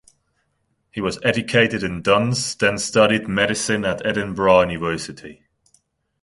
He was educated in Duns then studied Medicine at Edinburgh University.